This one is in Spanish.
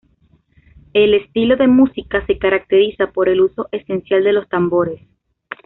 El estilo de música se caracteriza por el uso esencial de los tambores.